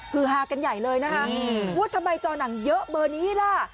คือฮากันใหญ่เลยนะคะว่าทำไมจอหนังเยอะเบอร์นี้ล่ะ